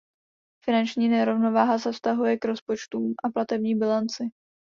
Finanční nerovnováha se vztahuje k rozpočtům a platební bilanci.